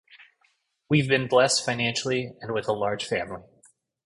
We've been blessed financially and with a large family.